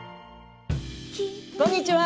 こんにちは。